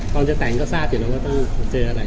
ตอนจะแต่งก็ทราบอยู่แล้วว่าต้องเจออะไร